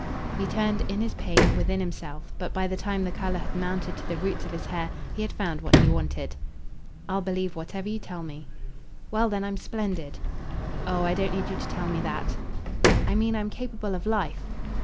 He turned, in his pain, within himself; but by the time the colour had mounted to the roots of his hair he had found what he wanted. "I'll believe whatever you tell me." "Well then, I'm splendid." "Oh I don't need you to tell me that." "I mean I'm capable of life."